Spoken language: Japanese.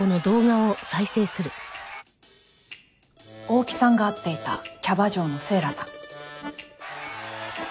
大木さんが会っていたキャバ嬢のセイラさん。